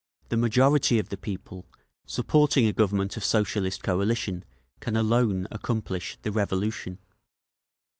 The majority of the people, supporting a government of Socialist coalition, can alone accomplish the Revolution….